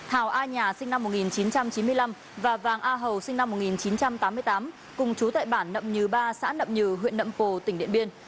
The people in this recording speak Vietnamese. thảo a nhà sinh năm một nghìn chín trăm chín mươi năm và vàng a hầu sinh năm một nghìn chín trăm tám mươi tám cùng chú tại bản nậm nhừ ba xã nậm nhừ huyện nậm pồ tỉnh điện biên